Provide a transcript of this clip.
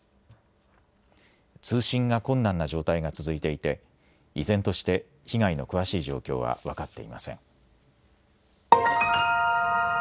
通信が困難な状態が続いていて依然として被害の詳しい状況は分かっていません。